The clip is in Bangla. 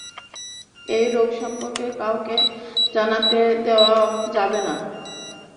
এই রোগ সম্পর্কে কাউকে জানতে দেওয়া যাবে না।